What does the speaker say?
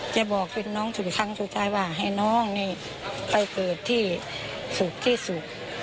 จะบอกเป็นน้องถึงครั้งสุดท้ายว่าให้น้องนี่ไปเกิดที่สุขที่สุด